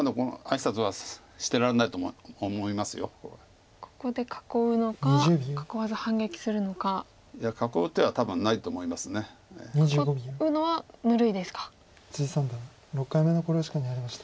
三段６回目の考慮時間に入りました。